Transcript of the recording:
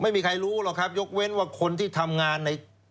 ไม่มีใครรู้หรอกครับยกเว้นว่าคนที่ทำงานใน